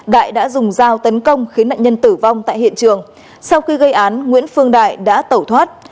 đại đã dùng dao tấn công khiến nạn nhân tử vong tại hiện trường sau khi gây án nguyễn phương đại đã tẩu thoát